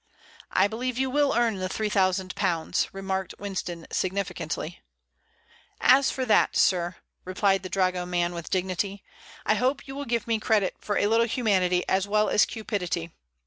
"I believe you will earn the three thousand pounds," remarked Winston, significantly. "As for that, sir," replied the dragoman, with dignity, "I hope you will give me credit for a little humanity as well as cupidity.